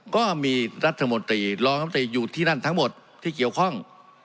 ก็มีรัฐมนตรีรองรัฐมนตรีอยู่ที่นั่นทั้งหมดที่เกี่ยวข้อง